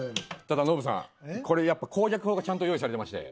ただノブさんこれやっぱ攻略法がちゃんと用意されてまして。